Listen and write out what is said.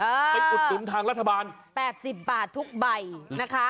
ไปอุดหนุนทางรัฐบาล๘๐บาททุกใบนะคะ